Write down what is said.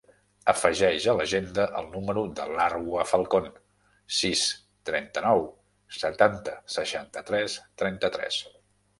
Afegeix a l'agenda el número de l'Arwa Falcon: sis, trenta-nou, setanta, seixanta-tres, trenta-tres.